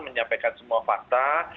menyampaikan semua fakta